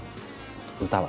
歌は。